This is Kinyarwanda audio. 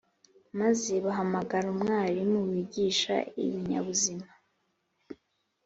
maze bahamagara umwarimu wigisha ibinyabuzima,